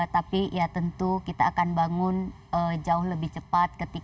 tapi ya tentu kita akan bangun jauh lebih cepat